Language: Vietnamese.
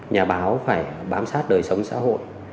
nhà báo phải bám sát đời sống xã hội